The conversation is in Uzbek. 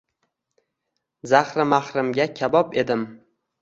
zahri-mahrimga kabob edim